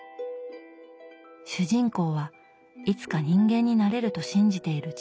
主人公はいつか人間になれると信じている「チビ猫」。